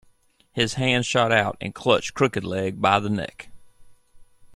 His hand shot out and clutched Crooked-Leg by the neck.